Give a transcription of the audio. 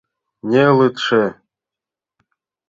Нелытше...